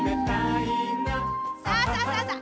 さあさあさあさあ。